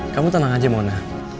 kamu tenang aja mona